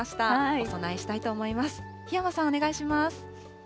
お供えしたいと思います。